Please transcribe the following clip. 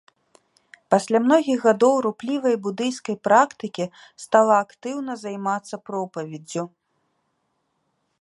Пасля многіх гадоў руплівай будыйскай практыкі стала актыўна займацца пропаведдзю.